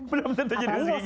belum tentu jadi rezeki kita